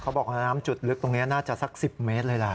บอกว่าน้ำจุดลึกตรงนี้น่าจะสัก๑๐เมตรเลยล่ะ